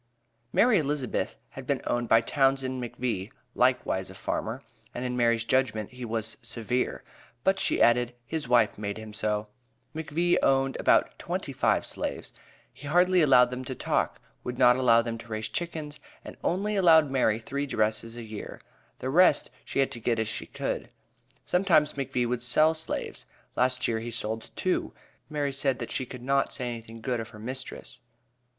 Mary Elizabeth had been owned by Townsend McVee (likewise a farmer), and in Mary's judgment, he was "severe," but she added, "his wife made him so." McVee owned about twenty five slaves; "he hardly allowed them to talk would not allow them to raise chickens," and "only allowed Mary three dresses a year;" the rest she had to get as she could. Sometimes McVee would sell slaves last year he sold two. Mary said that she could not say anything good of her mistress.